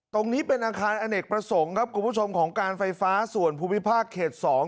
ตรงนี้เป็นอาคารอเนกประสงค์ครับคุณผู้ชมของการไฟฟ้าส่วนภูมิภาคเขต๒